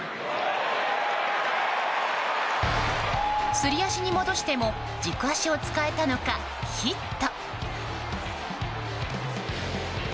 すり足に戻しても軸足を使えたのか、ヒット。